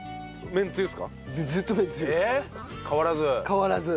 変わらず？